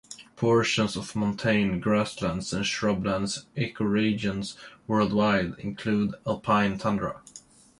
Portions of montane grasslands and shrublands ecoregions worldwide include alpine tundra.